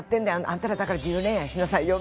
あんたらだから自由恋愛しなさいよ！」